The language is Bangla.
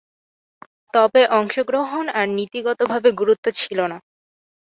তবে অংশগ্রহণ আর নীতিগতভাবে গুরুত্ব ছিল না।